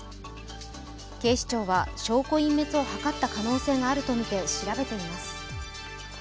警視庁は証拠隠滅を図った可能性があるとみて調べています。